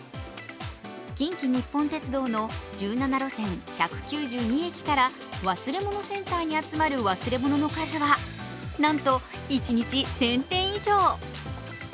近畿日本鉄道の１７路線、１９２駅から忘れ物センターに集まる忘れ物の数はなんと一日１０００点以上。